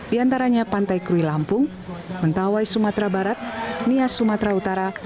di antaranya pantai krui lampung mentawai sumatera barat nias sumatera utara